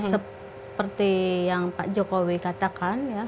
seperti yang pak jokowi katakan